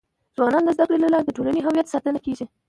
ځوانان د زده کړي له لارې د ټولنې د هویت ساتنه کيږي.